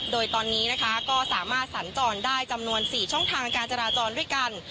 โดยตอนนี้นะคะก็สามารถสัญจรได้จำนวน๔ช่องทางการจราจรด้วยกัน